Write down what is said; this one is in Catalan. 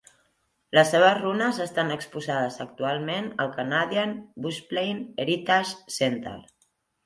Les seves runes estan exposades actualment al Canadian Bushplane Heritage Centre.